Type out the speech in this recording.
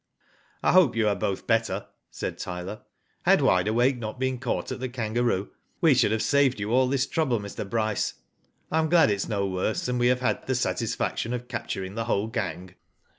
" I hope you are both better," said Tyler, " Had Wide Awake not been caught at the * Kangaroo,' we should have saved you all this trouble, Mr. Bryce. I am glad it is no worse, and we have had the satisfaction of capturing the whole gang."